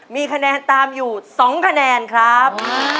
มีคะแนนตามอยู่๒คะแนนครับ